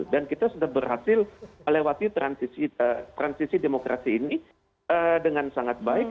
kita sudah berhasil melewati transisi demokrasi ini dengan sangat baik